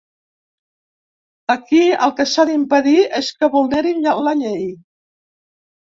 Aquí el que s’ha d’impedir és que vulnerin la llei.